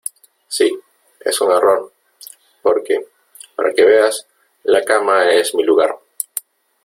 Sí , es un error , porque , para que veas , la cama es mi lugar .